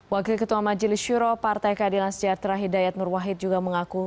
wakil ketua majelis syuro partai keadilan sejahtera hidayat nur wahid juga mengaku